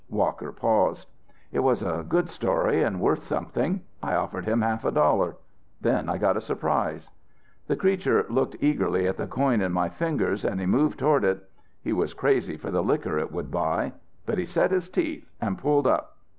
'" Walker paused. "It was a good fairy story and worth something. I offered him half a dollar. Then I got a surprise. "The creature looked eagerly at the coin in my fingers, and he moved toward it. He was crazy for the liquor it would buy. But he set his teeth and pulled up.